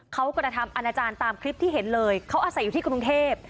เขากระทำอาณาจารย์ตามคลิปที่เห็นเลยเขาอาศัยอยู่ที่กรุงเทพ